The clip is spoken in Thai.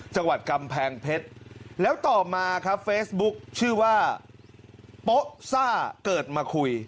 จังหวัดกำแพงเพชรแล้วต่อมาครับเฟซบุ๊กชื่อว่าโป๊ซ่าเกิดมาคุย